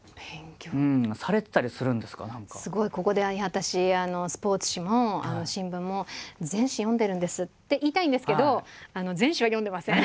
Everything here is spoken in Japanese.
すごいここで「私スポーツ紙も新聞も全紙読んでるんです」って言いたいんですけど全紙は読んでません。